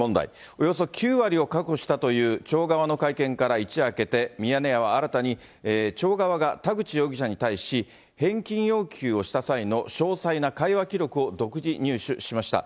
およそ９割を確保したという町側の会見から一夜明けて、ミヤネ屋は新たに町側が田口容疑者に対し、返金要求をした際の詳細な会話記録を独自入手しました。